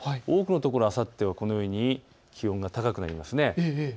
多くのところあさってはこのように気温が高くなっていきます。